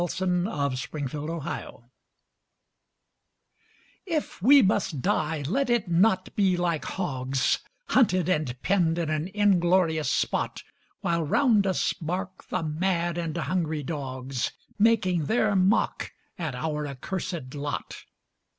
Claude McKay If We Must Die IF we must die, let it not be like hogs Hunted and penned in an inglorious spot, While round us bark the mad and hungry dogs, Making their mock at our accursed lot.